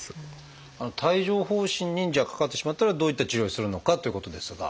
帯状疱疹にじゃあかかってしまったらどういった治療をするのかっていうことですが。